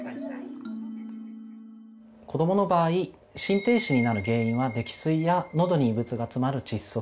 子どもの場合心停止になる原因は溺水やのどに異物が詰まる窒息